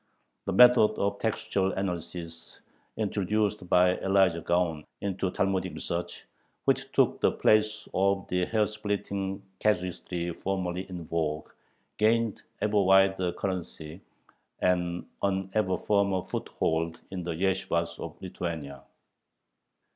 The method of textual analysis introduced by Elijah Gaon into Talmudic research, which took the place of the hair splitting casuistry formerly in vogue, gained ever wider currency and an ever firmer foothold in the yeshibahs of Lithuania.